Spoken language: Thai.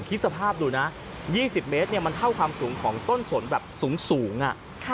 คิดสภาพดูนะ๒๐เมตรมันเท่าความสูงของต้นฝนแบบสูง